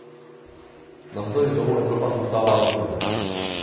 Navzdory tomu Evropa zůstává rozdělená.